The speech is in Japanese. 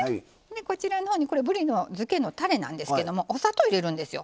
こちらのほう、ぶりのづけのたれなんですけどもお砂糖、入れるんですよ。